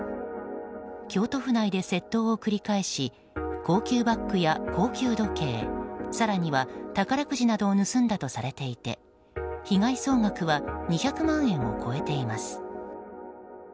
京都府内で窃盗を繰り返し高級バッグや高級時計、更には宝くじなどを盗んだとされていて被害総額は２００万円を超えています。